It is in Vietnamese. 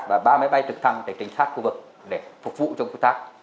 và ba máy bay tự thăng để tránh thác khu vực để phục vụ trong khu thác